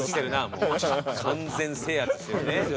もう完全制圧ですよね。